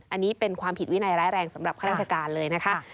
อันนี้เป็นความผิดวินัยร้ายแรงสำหรับข้าราชการเลยนะคะ